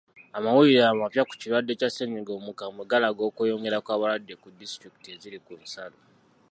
Amawulira amapya ku kirwadde kya ssennyiga omukambwe galaga okweyongera kw'abalwadde ku disitulikiti eziri ku nsalo.